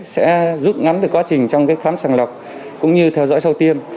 sẽ rút ngắn được quá trình trong khám sàng lọc cũng như theo dõi sau tiêm